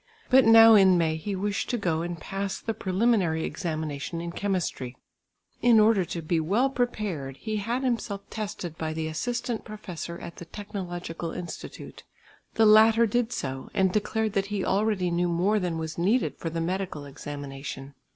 But now in May he wished to go and pass the preliminary examination in chemistry. In order to be well prepared, he had himself tested by the assistant professor at the technological institute. The latter did so and declared that he already knew more than was needed for the medical examination.